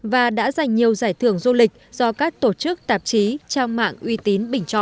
và đã giành nhiều giải thưởng du lịch do các tổ chức tạp chí trang mạng uy tín bình chọn